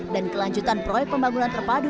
dan kelanjutan proyek pembangunan terpadu